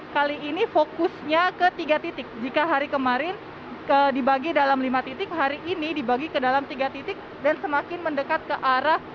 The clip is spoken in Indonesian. kali ini fokusnya ke tiga titik jika hari kemarin dibagi dalam lima titik hari ini dibagi ke dalam tiga titik dan semakin mendekat ke arah